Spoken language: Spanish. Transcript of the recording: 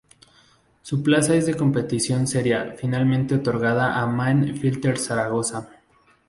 Su plaza en la competición sería finalmente otorgada al Mann Filter Zaragoza.